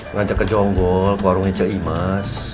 ngajak ke jonggol ke warungnya ce imas